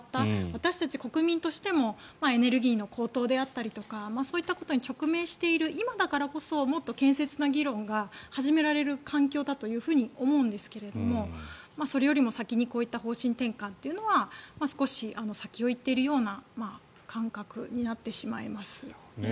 私たち国民としてもエネルギーの高騰であったりとかそういったことに直面している今だからこそもっと建設的な議論が始められる環境だと思うんですけれどもそれよりも先にこういった方針転換というのは少し先を行ってるような感覚になってしまいますね。